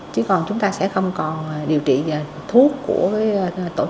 chứ còn chúng ta sẽ không còn điều trị thuốc của tổ chức quốc tế